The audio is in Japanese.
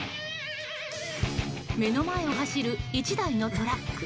目の前を走る１台のトラック。